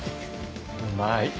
うまい。